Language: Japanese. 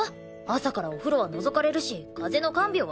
朝からお風呂はのぞかれるし風邪の看病はさせられるし。